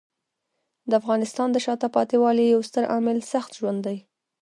د افغانستان د شاته پاتې والي یو ستر عامل سخت ژوند دی.